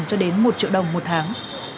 từ năm trăm linh cho đến một triệu đồng một tháng